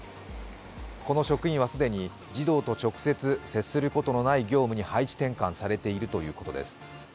この職員は既に児童と直接接することのない業務に配置転換されているということです。